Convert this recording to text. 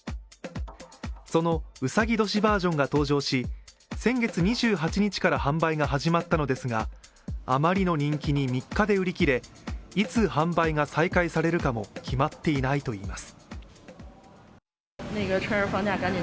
そのうさぎ年バージョンが登場し先月２８日から販売が始まったのですが、あまりの人気に３日で売り切れ、いつ販売が再開されるかも決まっていないといいます。